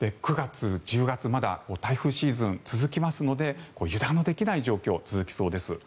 ９月、１０月まだ台風シーズンが続きますので油断のできない状況が続きそうです。